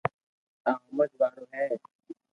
آ ھمج وارو ھي